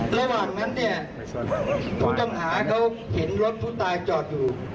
ระหว่างนั้นเนี่ยผู้ต้องหาเขาเห็นรถผู้ตายจอดอยู่